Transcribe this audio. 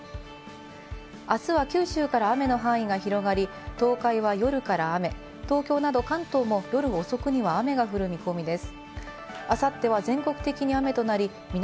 明日は九州から雨の範囲が広がり、東海は夜から雨、東京など関東も夜遅くには雨が降る見込みです。